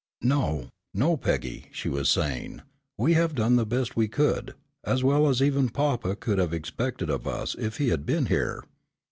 "No, no, Peggy," she was saying, "we have done the best we could, as well as even papa could have expected of us if he had been here.